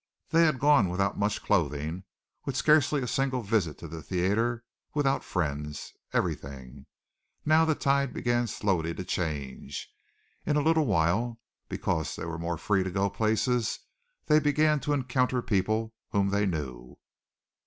They had gone without much clothing, with scarcely a single visit to the theatre, without friends everything. Now the tide began slowly to change; in a little while, because they were more free to go to places, they began to encounter people whom they knew.